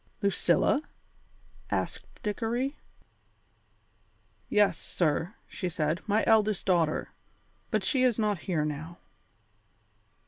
"Lucilla?" asked Dickory. "Yes, sir," she said, "my eldest daughter. But she is not here now."